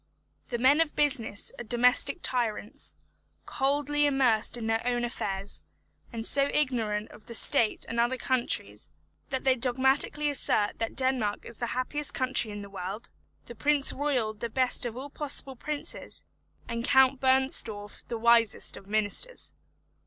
The men of business are domestic tyrants, coldly immersed in their own affairs, and so ignorant of the state of other countries, that they dogmatically assert that Denmark is the happiest country in the world; the Prince Royal the best of all possible princes; and Count Bernstorff the wisest of ministers.